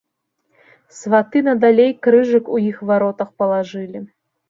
Сваты надалей крыжык у іх варотах палажылі.